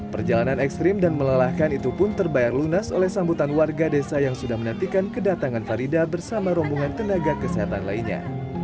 perjalanan ekstrim dan melelahkan itu pun terbayar lunas oleh sambutan warga desa yang sudah menantikan kedatangan farida bersama rombongan tenaga kesehatan lainnya